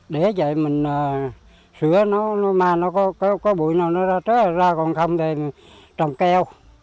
để vậy mình sửa nó mà nó có bụi nào nó ra ra còn không thì trồng keo